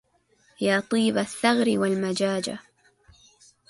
يا طيب الثغر والمجاجه